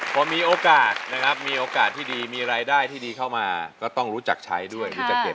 พอมีโอกาสนะครับมีโอกาสที่ดีมีรายได้ที่ดีเข้ามาก็ต้องรู้จักใช้ด้วยรู้จักเก็บ